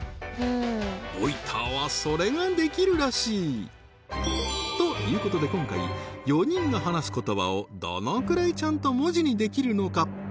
ＶＯＩＴＥＲはそれができるらしいということで今回４人が話す言葉をどのくらいちゃんと文字にできるのか？